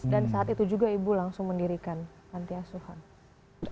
dan saat itu juga ibu langsung mendirikan pantai aswanya